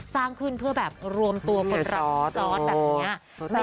สร้างขึ้นเพื่อแบบรวมตัวคนรักพี่จอร์ดแบบนี้